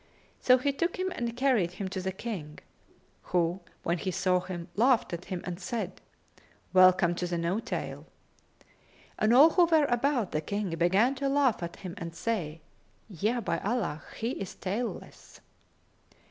So he took him and carried him to the King, who, when he saw him, laughed at him and said, "Welcome to the No tail!" And all who were about the King began to laugh at him and say, "Yea, by Allah, he is tailless!"